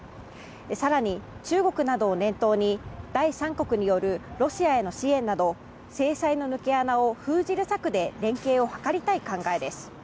更に、中国などを念頭に第三国によるロシアへの支援など制裁の抜け穴を封じる策で連携を図りたい考えです。